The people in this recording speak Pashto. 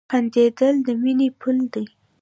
• خندېدل د مینې پل دی.